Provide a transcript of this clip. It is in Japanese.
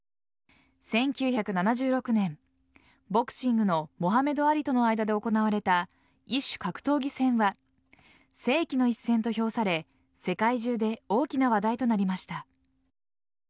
１９７６年ボクシングのモハメド・アリとの間で行われた異種格闘技戦は世紀の一戦と評され世界中で大きな話題となりました。